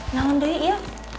nahun deh iya